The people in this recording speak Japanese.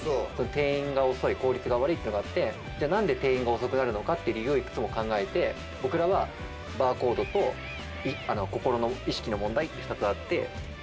店員が遅い効率が悪いってのがあってじゃあ何で店員が遅くなるのかって理由をいくつも考えて僕らはバーコードと心の意識の問題って２つあって。